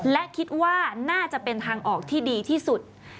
และคิดว่าน่าจะเป็นทางออกที่ดีที่สุด